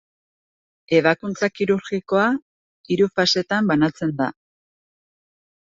Ebakuntza kirurgikoa hiru fasetan banatzen da.